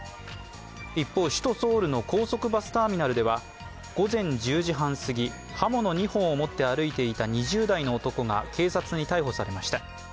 一方、首都ソウルの高速バスターミナルでは、午前１０時半すぎ刃物２本を持って歩いていた２０代の男が警察に逮捕されました。